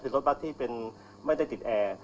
คือรถบัสที่เป็นไม่ได้ติดแอร์